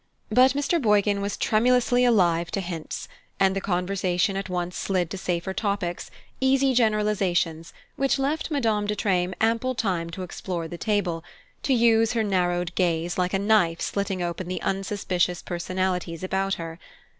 But Mr. Boykin was tremulously alive to hints, and the conversation at once slid to safer topics, easy generalizations which left Madame de Treymes ample time to explore the table, to use her narrowed gaze like a knife slitting open the unsuspicious personalities about her.